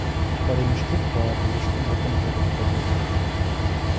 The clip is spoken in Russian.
По ремешку, по бревешку боком проведу кобылку.